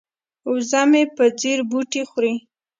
وزه مې په ځیر بوټي خوري.